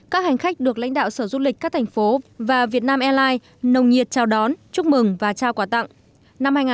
các hành khách được lãnh đạo sở du lịch các thành phố và việt nam airlines nồng nhiệt chào đón chúc mừng và trao quà tặng